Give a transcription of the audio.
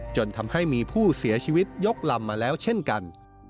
จนทำให้มีผู้เสียชีวิตยกลำมาแล้วเช่นกัน